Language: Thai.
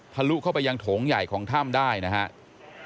ลุเข้าไปยังโถงใหญ่ของถ้ำได้นะครับ